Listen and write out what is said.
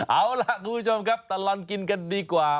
เอาล่ะคุณผู้ชมครับตลอดกินกันดีกว่า